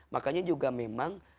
makanya juga memang